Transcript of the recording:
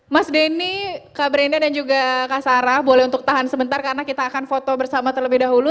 mas denny kak brenda dan juga kak sarah boleh untuk tahan sebentar karena kita akan foto bersama terlebih dahulu